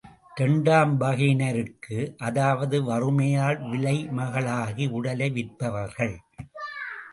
இரண்டாம் வகையினருக்கு, அதாவது வறுமையால் விலை மகளாகி உடலை விற்பவர்கள்.